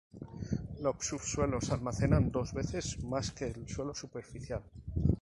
Los subsuelos almacenan dos veces más que el suelo superficial.